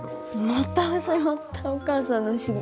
また始まったお母さんの不思議。